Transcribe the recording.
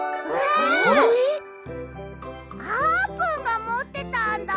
あーぷんがもってたんだ！